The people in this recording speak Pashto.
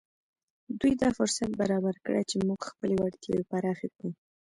دوی دا فرصت برابر کړی چې موږ خپلې وړتیاوې پراخې کړو